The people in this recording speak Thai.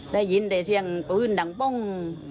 ได้ยินแต่เสียงปืนดังป้อง